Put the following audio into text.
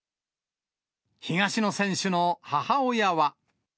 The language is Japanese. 東野選手の母親は。